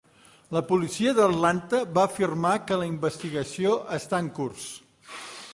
La policia d'Atlanta va afirmar que la investigació està en curs.